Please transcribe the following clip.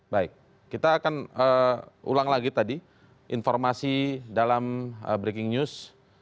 baik kita akan ulang lagi tadi informasi dalam breaking news